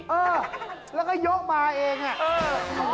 เออแล้วก็ยกมาเองอ่ะ